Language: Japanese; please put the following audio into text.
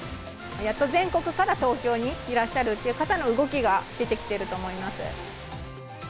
やっと全国から東京にいらっしゃるっていう方の動きが出てきていると思います。